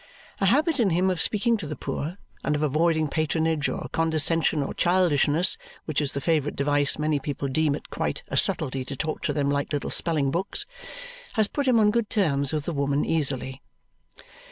A habit in him of speaking to the poor and of avoiding patronage or condescension or childishness (which is the favourite device, many people deeming it quite a subtlety to talk to them like little spelling books) has put him on good terms with the woman easily.